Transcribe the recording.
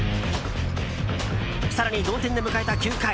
更に同点で迎えた９回。